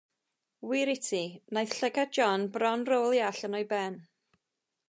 Wir i ti, wnaeth llygaid John bron rowlio allan o'i ben.